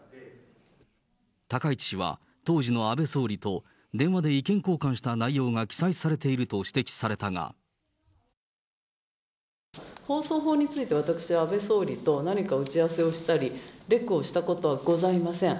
高市氏は当時の安倍総理と電話で意見交換した内容が記載されてい放送法について、私は安倍総理と何か打ち合わせをしたり、レクをしたことはございません。